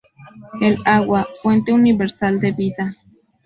El agua: fuente universal de vida.